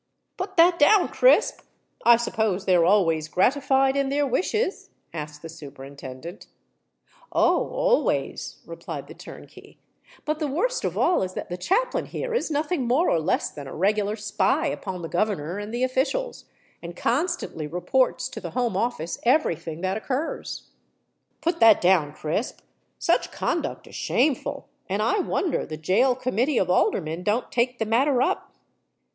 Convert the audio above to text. "Put that down, Crisp. I suppose they're always gratified in their wishes?" asked the Superintendent. "Oh! always," replied the turnkey. "But the worst of all is that the chaplain here is nothing more or less than a regular spy upon the governor and the officials, and constantly reports to the Home Office every thing that occurs." "Put that down, Crisp. Such conduct is shameful; and I wonder the Gaol Committee of Aldermen don't take the matter up."